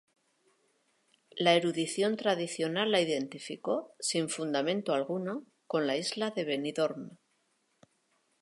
La erudición tradicional la identificó, sin fundamento alguno, con la isla de Benidorm.